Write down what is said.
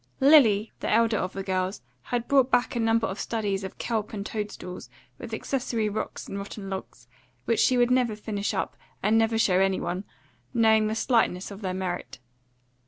Lily, the elder of the girls, had brought back a number of studies of kelp and toadstools, with accessory rocks and rotten logs, which she would never finish up and never show any one, knowing the slightness of their merit.